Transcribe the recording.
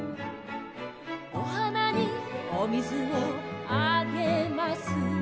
「お花にお水をあげます」